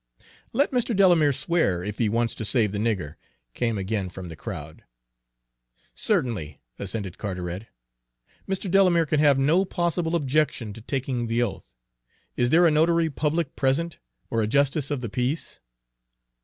"Let Mr. Delamere swear, if he wants to save the nigger," came again from the crowd. "Certainly," assented Carteret. "Mr. Delamere can have no possible objection to taking the oath. Is there a notary public present, or a justice of the peace?"